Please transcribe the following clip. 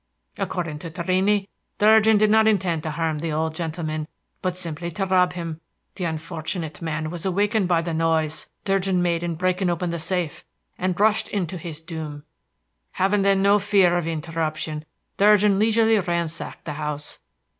According to Torrini, Durgin did not intend to harm the old gentleman, but simply to rob him. The unfortunate man was awakened by the noise Durgin made in breaking open the safe, and rushed in to his doom. Having then no fear of interruption, Durgin leisurely ransacked the house.